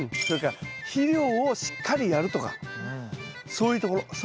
それから肥料をしっかりやるとかそういうところ。